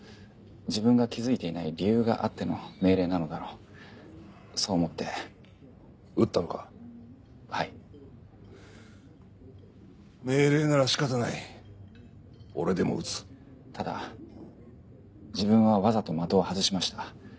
自分が気付いていない理由があっての命令なのだろうそう思って命令なら仕方ない俺でも撃つただ自分はわざと的を外しました